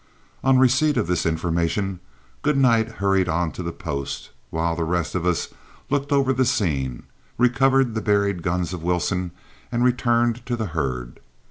On receipt of this information Goodnight hurried on to the post, while the rest of us looked over the scene, recovered the buried guns of Wilson, and returned to the herd.